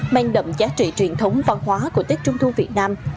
mang đậm giá trị truyền thống văn hóa của tết trung thu việt nam